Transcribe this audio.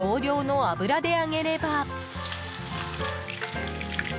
少量の油で揚げれば。